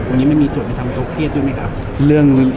วันนี้ไม่มีส่วนที่ทำให้เขาเครียดด้วยไหมครับ